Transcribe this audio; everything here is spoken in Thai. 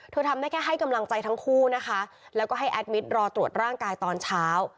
ทำได้แค่ให้กำลังใจทั้งคู่นะคะแล้วก็ให้แอดมิตรรอตรวจร่างกายตอนเช้า